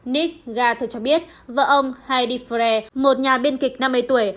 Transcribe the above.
nick gartner cho biết vợ ông heidi frey một nhà biên kịch năm mươi tuổi